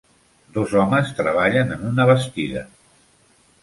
Dos homes treballen en una bastida.